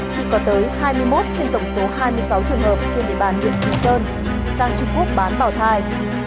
khi có tới hai mươi một trên tổng số hai mươi sáu trường hợp trên địa bàn huyện kỳ sơn sang trung quốc bán bảo thai